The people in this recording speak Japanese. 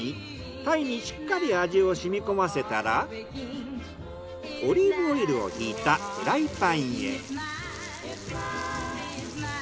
タイにしっかり味をしみ込ませたらオリーブオイルをひいたフライパンへ。